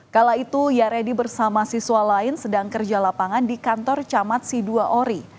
kala itu yaredi bersama siswa lain sedang kerja lapangan di kantor camat si dua ori